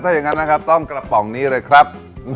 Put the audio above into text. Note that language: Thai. ถ้าอย่างนั้นนะครับต้องกระป๋องนี้เลยครับ